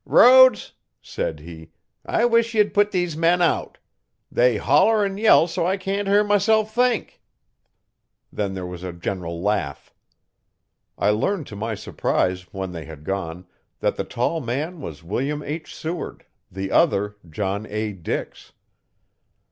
'Rhoades,' said he, 'I wish ye'd put these men out. They holler 'n yell, so I can't hear myself think. Then there was a general laugh. I learned to my surprise, when they had gone, that the tall man was William H. Seward, the other John A. Dix.